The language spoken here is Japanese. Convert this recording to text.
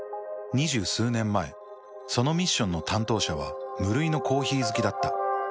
２０数年前そのミッションの担当者は無類のコーヒー好きだった。